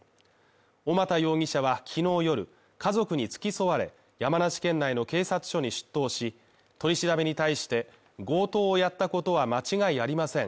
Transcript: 小俣容疑者は、きのう夜家族に付き添われ、山梨県内の警察署に出頭し、取り調べに対して、強盗をやったことは間違いありません。